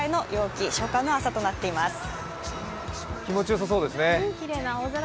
気持ちよさそうですね。